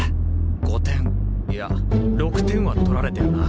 ５点いや６点は取られてるな。